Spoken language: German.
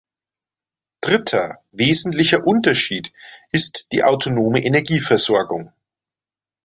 Dritter wesentlicher Unterschied ist die autonome Energieversorgung.